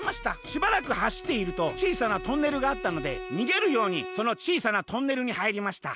しばらくはしっているとちいさなトンネルがあったのでにげるようにそのちいさなトンネルにはいりました。